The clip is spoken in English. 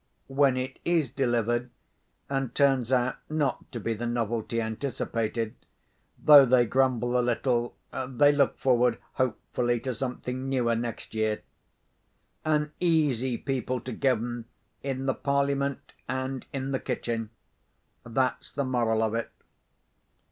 When it is delivered, and turns out not to be the novelty anticipated, though they grumble a little, they look forward hopefully to something newer next year. An easy people to govern, in the Parliament and in the Kitchen—that's the moral of it.